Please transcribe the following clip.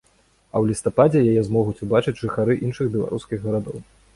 А ў лістападзе яе змогуць убачыць жыхары іншых беларускіх гарадоў.